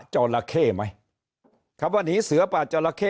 หนีเสือปาก